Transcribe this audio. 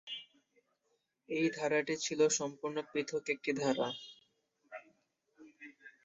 এই ধারাটি ছিল সম্পূর্ণ পৃথক একটি ধারা।